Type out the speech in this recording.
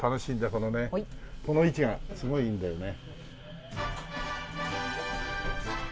このねこの位置がすごいいいんだよね。